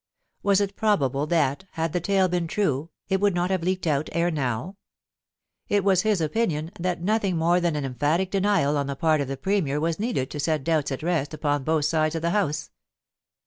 Was it probable that, had the tale been true, it would not have leaked out ere now ? It was his opinion that nothing more than an emphatic denial on the part of the Premier was needed to set doubts at rest upon both sides of the House.